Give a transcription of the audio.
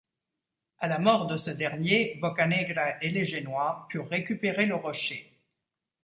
À la mort de ce dernier, Boccanegra et les Génois purent récupérer le rocher.